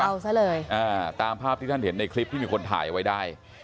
เอาซะเลยอ่าตามภาพที่ท่านเห็นในคลิปที่มีคนถ่ายไว้ได้